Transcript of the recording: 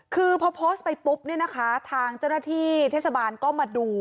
คือพอโพสต์ไปปุ๊บเนี่ยนะคะทางเจ้าหน้าที่เทศบาลก็มาดู